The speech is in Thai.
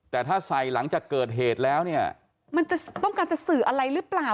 แต่ถ้าใส่หลังจากเกิดเหตุแล้วเนี่ยมันจะต้องการจะสื่ออะไรหรือเปล่า